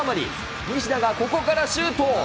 西田がここからシュート。